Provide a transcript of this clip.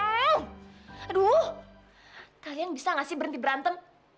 aduh kalian bisa gak sih berhenti berantem